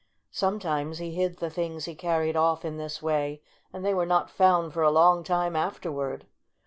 Sometimes he hid the things he carried off in this way, and they were not Sound for a long time afterward.